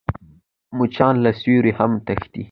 مچان له سیوري هم تښتي